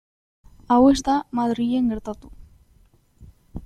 Hau ez da Madrilen gertatu.